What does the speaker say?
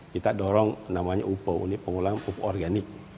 kita dorong namanya ufo ini pengulangan pupuk organik